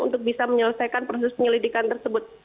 untuk bisa menyelesaikan proses penyelidikan tersebut